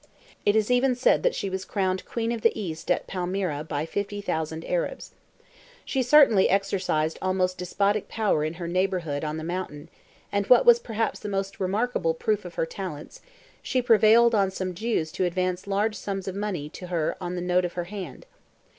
It is even said that she was crowned Queen of the East at Palmyra by fifty thousand Arabs. She certainly exercised almost despotic power in her neighbourhood on the mountain; and what was perhaps the most remarkable proof of her talents, she prevailed on some Jews to advance large sums of money to her on her note of hand.